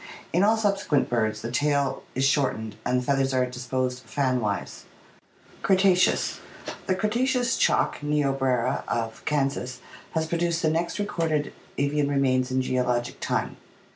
In all subsequent birds the tail is shortened and the feathers are disposed fan wise (see Fig. 87, A; and PI. XIV). Cretaceous. — The Cretaceous chalk (Niobrara) of Kansas has produced the next recorded avian remains in geologic time.